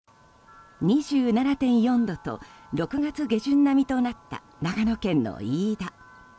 ２７．４度と６月下旬並みとなった長野県の飯田。